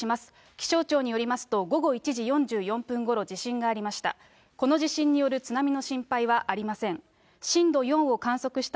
気象庁によりますと、午後１時４４分ごろ地震がありました。